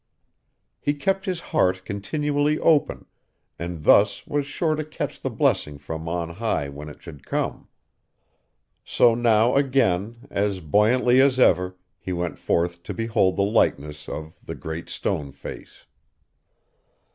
He kept his heart continually open, and thus was sure to catch the blessing from on high when it should come. So now again, as buoyantly as ever, he went forth to behold the likeness of the Great Stone Face.